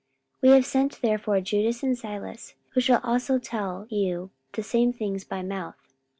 44:015:027 We have sent therefore Judas and Silas, who shall also tell you the same things by mouth.